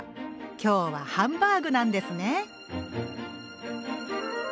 今日はハンバーグなんですね！